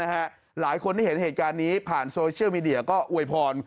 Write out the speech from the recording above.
หลายคนที่เห็นเหตุการณ์นี้ผ่านโซเชียลมีเดียก็อวยพร